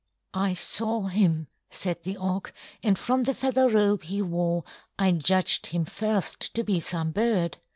"I saw him," said the Auk, "and from the feather robe he wore I judged him first to be some bird.